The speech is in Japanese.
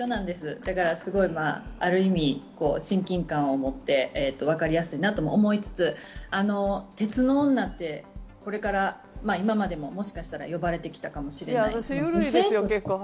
だから、ある意味、親近感を持ってわかりやすいなと思いつつ、鉄の女ってこれまでももしかしたら呼ばれてきたかもしれない。